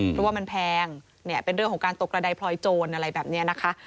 เพราะว่ามันแพงเป็นเรื่องของการตกระดายพลอยโจรอะไรแบบนี้นะคะ